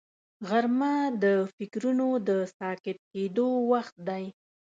غرمه د فکرونو د ساکت کېدو وخت دی